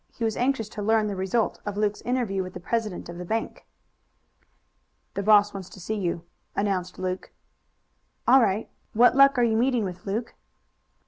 He was anxious to learn the result of Luke's interview with the president of the bank. "The boss wants to see you," announced Luke. "All right. What luck are you meeting with, Luke?"